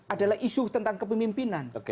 adalah isu tentang kepemimpinan